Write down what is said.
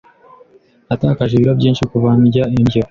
Natakaje ibiro byinshi kuva ndya indyo.